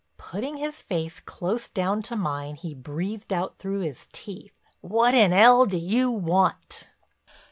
Putting his face close down to mine he breathed out through his teeth: "What in 'ell do you want?"